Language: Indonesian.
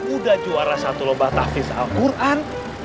udah juara satu lomba tafis al quran